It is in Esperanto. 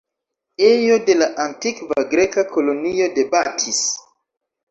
Ejo de la antikva Greka kolonio de Batis.